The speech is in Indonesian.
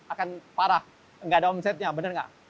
akan parah nggak ada omsetnya benar nggak